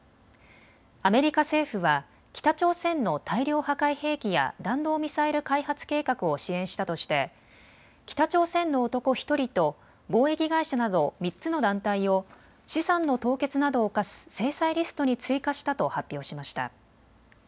アメリカ政府は北朝鮮の大量破壊兵器や弾道ミサイル開発計画を支援したとして北朝鮮の男１人と貿易会社など３つの団体を資産の凍結などを科す制裁リストに追加したと発表しました。